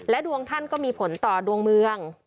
ดวงท่านก็มีผลต่อดวงเมือง